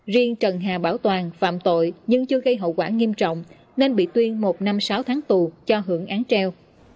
riêng trần hà bảo toàn phạm tội nhưng chưa gây hậu quả nghiêm trọng nên bị tuyên một năm sáu tháng tù cho hưởng án treo